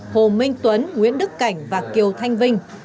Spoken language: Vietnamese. hồ minh tuấn nguyễn đức cảnh và kiều thanh vinh